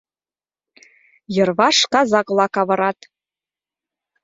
Йырваш казак-влак авырат.